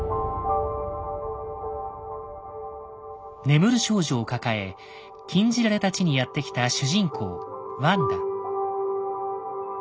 眠る少女を抱え禁じられた地にやって来た主人公ワンダ。